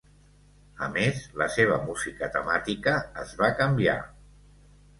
A més, la seva música temàtica es va canviar.